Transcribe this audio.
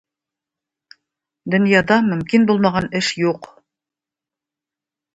Дөньяда мөмкин булмаган эш юк.